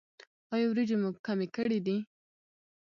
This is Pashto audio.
ایا وریجې مو کمې کړي دي؟